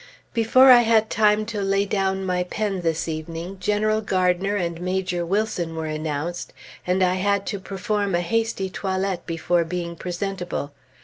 Before I had time to lay down my pen this evening, General Gardiner and Major Wilson were announced; and I had to perform a hasty toilette before being presentable.